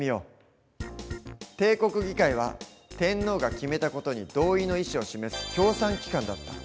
帝国議会は天皇が決めた事に同意の意思を示す協賛機関だった。